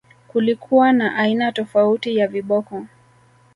Kulikuwa na aina tofauti ya viboko